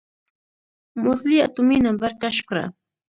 موزلي اتومي نمبر کشف کړه.